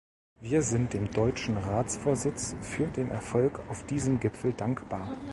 Wir sind dem deutschen Ratsvorsitz für den Erfolg auf diesem Gipfel dankbar.